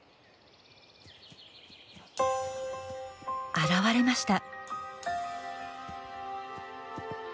現れました。